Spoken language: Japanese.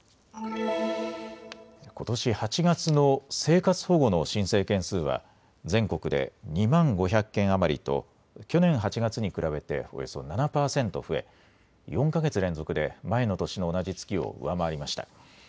ことし８月の生活保護の申請件数は全国で２万５００件余りと去年８月に比べておよそ７％増え４か月連続で前の年の同じ月を上回りました。